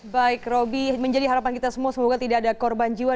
baik roby menjadi harapan kita semua semoga tidak ada korban jiwa